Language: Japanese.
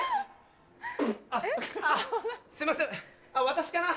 あっすいません私かな。